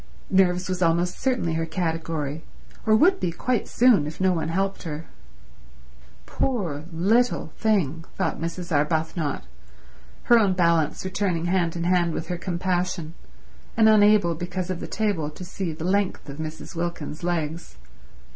Nerves was almost certainly her category, or would be quite soon if no one helped her. Poor little thing, thought Mrs. Arbuthnot, her own balance returning hand in hand with her compassion, and unable, because of the table, to see the length of Mrs. Wilkins's legs.